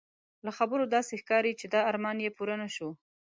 له خبرو داسې ښکاري چې دا ارمان یې پوره نه شو.